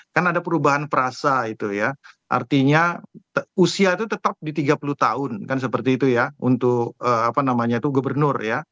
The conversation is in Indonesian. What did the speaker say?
kan ada perubahan perasa itu ya artinya usia itu tetap di tiga puluh tahun kan seperti itu ya untuk apa namanya itu gubernur ya